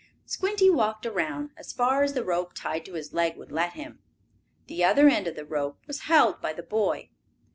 Squinty walked around, as far as the rope tied to his leg would let him. The other end of the rope was held by the boy.